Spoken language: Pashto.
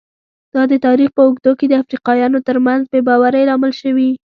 دا د تاریخ په اوږدو کې د افریقایانو ترمنځ بې باورۍ لامل شوي.